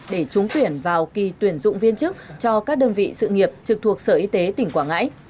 để trúng tuyển vào kỳ tuyển dụng viên chức cho các đơn vị sự nghiệp trực thuộc sở y tế tỉnh quảng ngãi